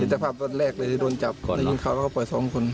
เห็นภาพตอนแรกเลยโดนจับได้ยินเขาแล้วเขาปล่อยสองคน